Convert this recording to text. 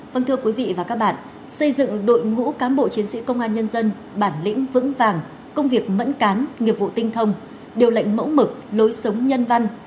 vâng thưa quý vị và các bạn xây dựng đội ngũ cán bộ chiến sĩ công an nhân dân bản lĩnh vững vàng công việc mẫn cán nghiệp vụ tinh thông điều lệnh mẫu mực lối sống nhân văn